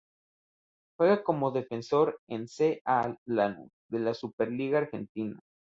Juega como defensor en C. A. Lanús de la Superliga Argentina.